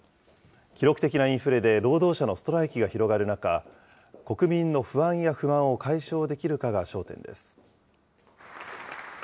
記録的なインフレで労働者のストライキが広がる中、国民の不安や不満を解消できるかが焦点です。